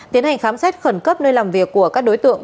tiến hành khám xét khẩn cấp nơi làm việc của các đối tượng